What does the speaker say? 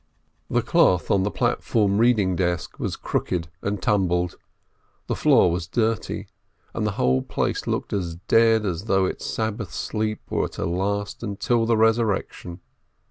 The cloth on the platform reading desk was crooked and tumbled, the floor was dirty, and the whole place looked as dead as though its Sabbath sleep were to last till the resurrection.